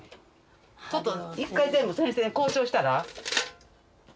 ちょっと一回全部先生に交渉したら？